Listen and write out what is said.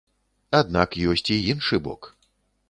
Аднак ёсць і іншы бок.